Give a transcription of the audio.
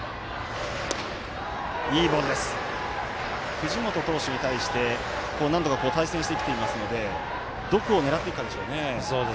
藤本投手に対して何度か対戦してきていますのでどこを狙っていくかでしょうね。